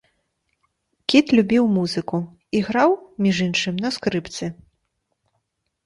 Кіт любіў, музыку, іграў, між іншым, на скрыпцы.